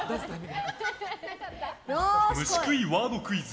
虫食いワードクイズ！